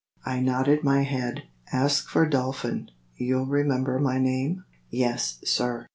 I nodded my head. "Ask for Dolphin; you'll remember my name?" "Yes, sir."